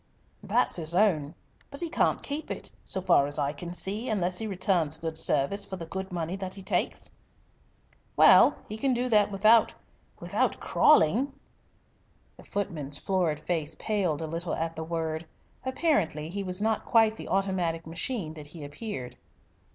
That's his own. But he can't keep it, so far as I can see, unless he returns good service for the good money that he takes." "Well, he can do that without without crawling." The footman's florid face paled a little at the word. Apparently he was not quite the automatic machine that he appeared.